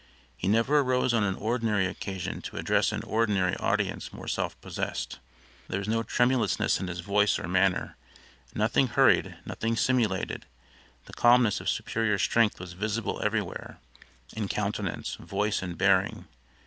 He never arose on an ordinary occasion to address an ordinary audience more self possessed. There was no tremulousness in his voice or manner; nothing hurried, nothing simulated. The calmness of superior strength was visible everywhere; in countenance, voice and bearing.